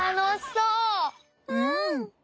うん！